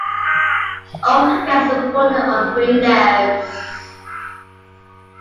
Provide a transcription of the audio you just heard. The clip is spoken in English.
Altacast is supported on Windows.